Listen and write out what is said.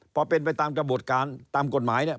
พอเป็นไปตามกระบวนการตามกฎหมายเนี่ย